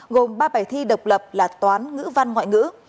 gồm ba bài thi độc lập là toán ngữ văn ngoại ngữ